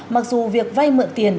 mặc dù việc vay mượn tiền